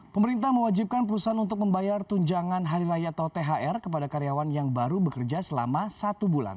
pemerintah mewajibkan perusahaan untuk membayar tunjangan hari raya atau thr kepada karyawan yang baru bekerja selama satu bulan